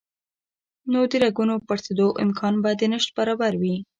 نو د رګونو پړسېدو امکان به د نشت برابر وي